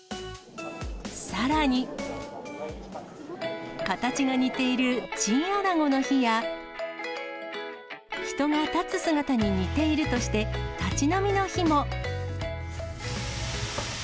さらに、形が似ている、チンアナゴの日や、人が立つ姿に似ているとして、立ち飲みの日も。